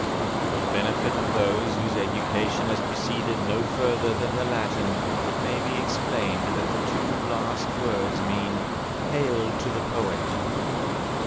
For the benefit of those whose education has proceeded no further than the Latin, it may be explained that the two last words mean, "Hail to the poet".